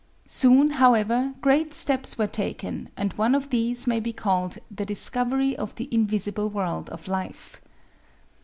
Soon, however, great steps were taken, and one of these may be called the discovery of the invisible world of life.